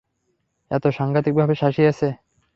এত সাংঘাতিকভাবে শাসিয়েছে।